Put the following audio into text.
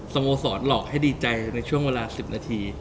สโมสรหลอกให้ดีใจในช่วงเวลา๑๐นาที